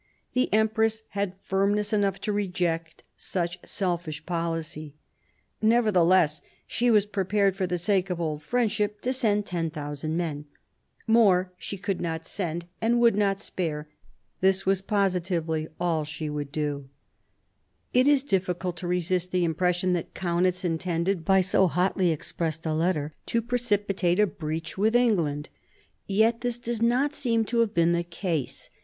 The empress had firmness enough to reject such selfish policy. Nevertheless she was prepared, for the sake of old friendship, to send 10,000 men. More she could not and would not spare ; this was positively all that she would do. 1748 55 CHANGE OF ALLIANCES 103 It is difficult to resist the impression that Kaunitz intended, by so hotly expressed a letter, to precipitate a breach with England. Yet this does not seem to have been the case.